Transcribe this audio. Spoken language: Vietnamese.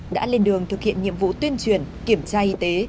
đã lên đường thực hiện nhiệm vụ tuyên truyền kiểm tra y tế